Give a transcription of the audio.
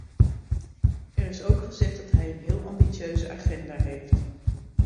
Er is ook gezegd dat hij een heel ambitieuze agenda heeft.